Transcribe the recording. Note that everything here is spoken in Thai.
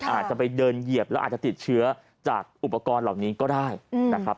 อาจจะไปเดินเหยียบแล้วอาจจะติดเชื้อจากอุปกรณ์เหล่านี้ก็ได้นะครับ